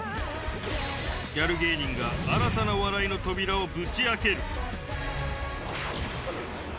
ギャル芸人が新たなお笑いの扉をぶち開ける。